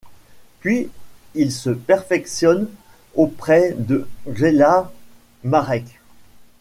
Puis il se perfectionne auprès de Czesław Marek.